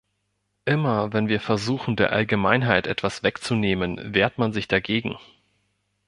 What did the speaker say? Immer wenn wir versuchen, der Allgemeinheit etwas wegzunehmen, wehrt man sich dagegen.